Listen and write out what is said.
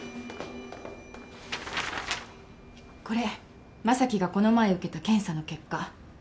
これ将貴がこの前受けた検査の結果。